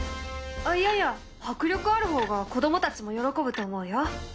あっいやいや迫力ある方が子どもたちも喜ぶと思うよ。